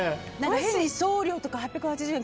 変に送料とか８８０円